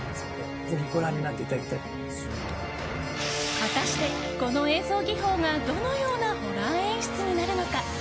果たしてこの映像技法がどのようなホラー演出になるのか。